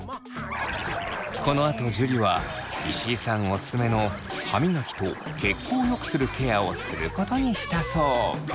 このあと樹は石井さんおすすめの歯みがきと血行を良くするケアをすることにしたそう。